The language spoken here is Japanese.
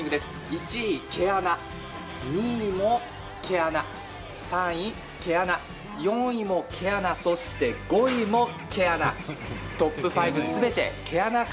１位毛穴、２位も毛穴３位毛穴、４位も毛穴そして５位も毛穴。